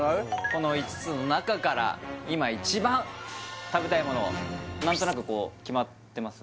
この５つの中から今一番食べたいものを何となくこう決まってます？